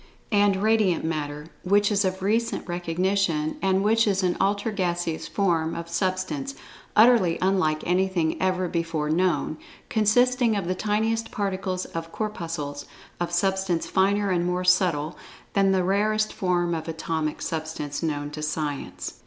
and (4) Radiant Matter, which is of recent recognition, and which is an ultra gaseous form of Substance, utterly unlike anything ever before known, consisting of the tiniest particles of "corpuscles" of Substance finer and more subtle than the rarest form of atomic substance known to Science.